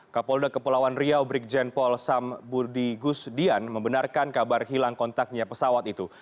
kapolda kepulauan riau brigjen pol sam burdi gusdian membenarkan kabar hilang kontaknya pesawat itu